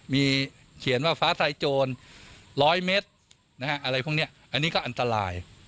มีเขียนว่าฟ้าทลายโจร๑๐๐เมตรอะไรพวกนี้อันนี้ก็อันตราย